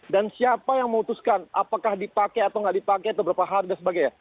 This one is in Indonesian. dan siapa yang memutuskan apakah dipakai atau tidak dipakai atau berapa harga dan sebagainya